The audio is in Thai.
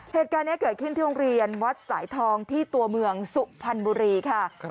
เหตุการณ์นี้เกิดขึ้นที่โรงเรียนวัดสายทองที่ตัวเมืองสุพรรณบุรีค่ะ